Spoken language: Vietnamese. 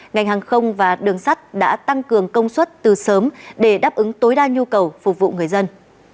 ngành hàng không và đường sắt đã tăng cường công suất từ sớm để đáp ứng tối đa nhu cầu phục vụ người dân